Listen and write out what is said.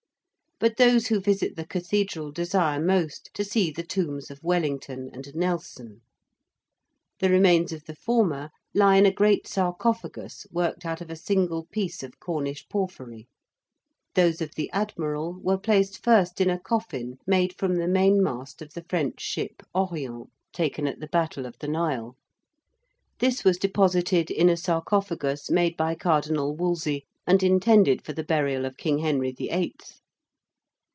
But those who visit the Cathedral desire most to see the tombs of Wellington and Nelson. The remains of the former lie in a great sarcophagus worked out of a single piece of Cornish porphyry. Those of the Admiral were placed first in a coffin made from the main mast of the French ship Orient, taken at the Battle of the Nile. This was deposited in a sarcophagus made by Cardinal Wolsey and intended for the burial of King Henry the Eighth.